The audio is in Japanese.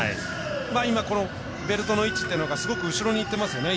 今、ベルトの位置がすごく後ろにいってますね。